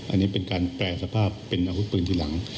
อันนี้เป็นการแปรสภาพเป็นอาวุธปืนทีหลัง